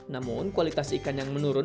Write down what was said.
namun kualitas ikan yang menurun